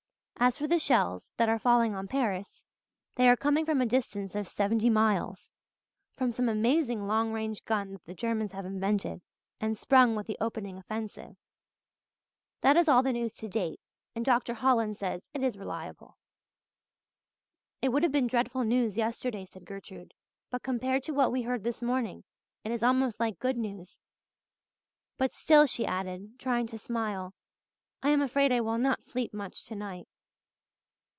As for the shells that are falling on Paris, they are coming from a distance of seventy miles from some amazing long range gun the Germans have invented and sprung with the opening offensive. That is all the news to date, and Dr. Holland says it is reliable." "It would have been dreadful news yesterday," said Gertrude, "but compared to what we heard this morning it is almost like good news. But still," she added, trying to smile, "I am afraid I will not sleep much tonight."